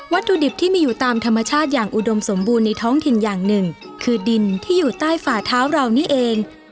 ถุดิบที่มีอยู่ตามธรรมชาติอย่างอุดมสมบูรณ์ในท้องถิ่นอย่างหนึ่งคือดินที่อยู่ใต้ฝ่าเท้าเรานี่เอง